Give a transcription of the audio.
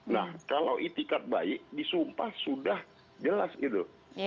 nah kalau itikat baik disumpah sudah jelas gitu